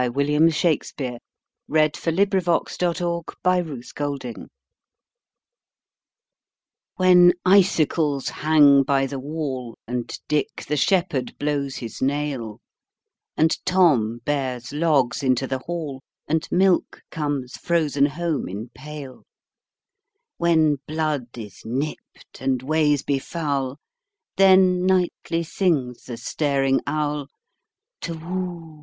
William Shakespeare 90. Winter WHEN icicles hang by the wallAnd Dick the shepherd blows his nail, And Tom bears logs into the hall, And milk comes frozen home in pail; When blood is nipt, and ways be foul, Then nightly sings the staring owlTu whoo!